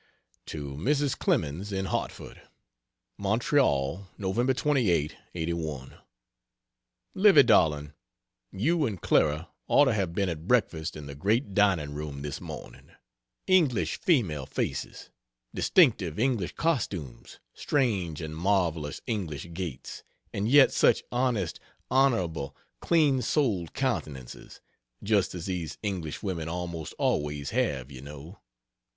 To Mrs. Clemens, in Hartford: MONTREAL, Nov. 28 '81. Livy darling, you and Clara ought to have been at breakfast in the great dining room this morning. English female faces, distinctive English costumes, strange and marvelous English gaits and yet such honest, honorable, clean souled countenances, just as these English women almost always have, you know.